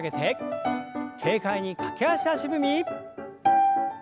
軽快に駆け足足踏み。